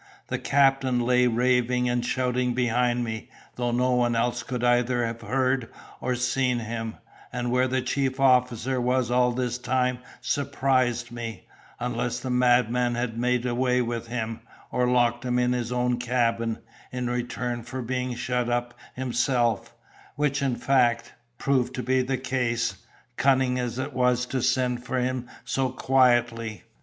The captain lay raving and shouting behind me, though no one else could either have heard or seen him; and where the chief officer was all this time surprised me, unless the madman had made away with him, or locked him in his own cabin, in return for being shut up himself—which, in fact, proved to be the case, cunning as it was to send for him so quietly.